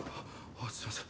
あすいません。